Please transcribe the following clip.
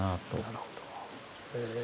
なるほど。